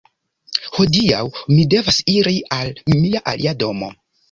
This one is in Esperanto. Hodiaŭ mi devas iri al mia alia domo.